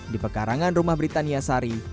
di pekarangan rumah britania sari